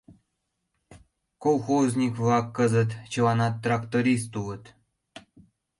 Колхозник-влак кызыт чыланат тракторист улыт.